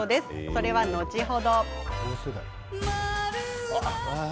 それは後ほど。